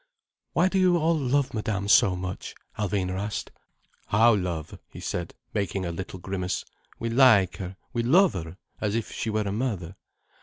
"Why do you all love Madame so much?" Alvina asked. "How, love?" he said, making a little grimace. "We like her—we love her—as if she were a mother.